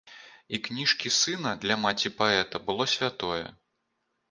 І кніжкі сына для маці паэта было святое.